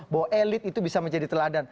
bahwa elit itu bisa menjadi teladan